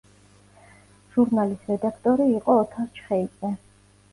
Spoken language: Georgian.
ჟურნალის რედაქტორი იყო ოთარ ჩხეიძე.